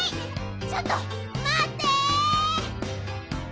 ちょっとまって！